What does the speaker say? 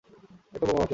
একটা বোমা বাকি আছে।